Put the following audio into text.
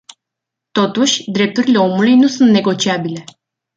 Totuși, drepturile omului nu sunt negociabile.